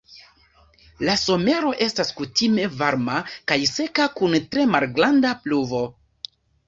La somero estas kutime varma kaj seka kun tre malgranda pluvo.